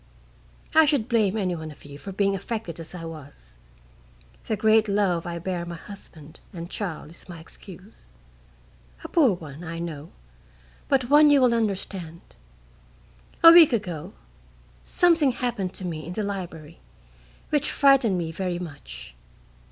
I should blame any one of you for being affected as I was. The great love I bear my husband and child is my excuse a poor one, I know, but one you will understand. A week ago something happened to me in the library which frightened me very much.